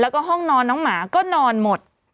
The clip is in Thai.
แล้วก็ห้องนอนน้องหมาก็นอนหมด